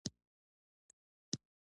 انیلا لږه خوشحاله وه چې روسان به راورسیږي